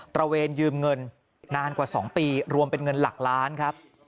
ระเวนยืมเงินนานกว่า๒ปีรวมเป็นเงินหลักล้านครับ